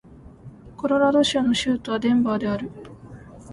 コロラド州の州都はデンバーである